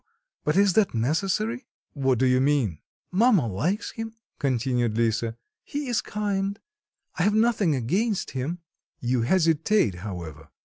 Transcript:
But is that necessary?" "What do you mean?" "Mamma likes him," continued Lisa, "he is kind; I have nothing against him." "You hesitate, however."